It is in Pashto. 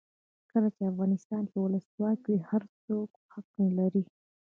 کله چې افغانستان کې ولسواکي وي هر څوک حق لري.